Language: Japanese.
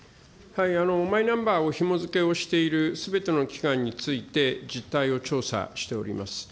マイナンバーをひも付けをしているすべての機関について実態を調査しております。